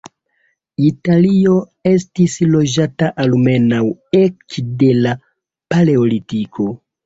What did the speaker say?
Italio estis loĝata almenaŭ ekde la Paleolitiko.